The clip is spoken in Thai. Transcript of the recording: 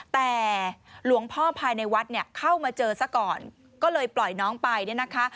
แต่หลวงพ่อภายในวัดเนี่ยเข้ามาเจอซะก่อนก็เลยปล่อยน้องไปเนี่ยนะคะ